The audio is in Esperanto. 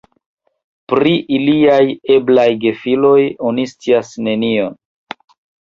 Pri iliaj eblaj gefiloj oni scias nenion.